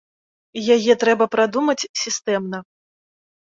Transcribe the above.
Яе трэба прадумаць сістэмна.